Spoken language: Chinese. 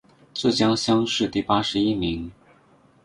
浙江乡试第八十一名。